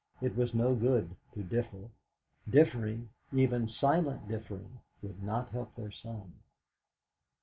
It was no good to differ. Differing, even silent differing, would not help their son.